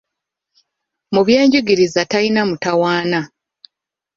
Mu byenjigiriza talina mutawaana.